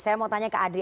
saya mau tanya ke adri